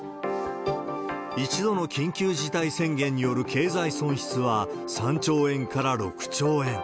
１度の緊急事態宣言による経済損失は３兆円から６兆円。